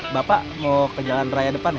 bapak mau ke jalan raya depan ya